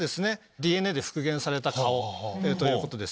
ＤＮＡで復元された顔ということです。